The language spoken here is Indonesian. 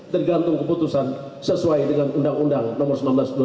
tergantung keputusan sesuai dengan undang undang nomor sembilan belas dua ribu sembilan